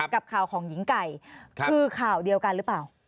กับข่าวของหญิงไก่คือข่าวเดียวกันหรือเปล่า